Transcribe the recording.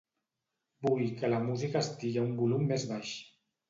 Vull que la música estigui a un volum més baix.